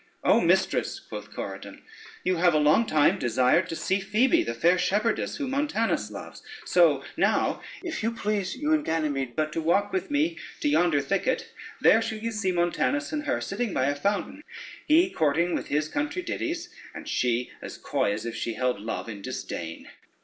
"Oh, mistress," quoth Corydon, "you have a long time desired to see Phoebe, the fair shepherdess whom Montanus loves; so now if you please, you and Ganymede, but to walk with me to yonder thicket, there shall you see Montanus and her sitting by a fountain, he courting with his country ditties, and she as coy as if she held love in disdain."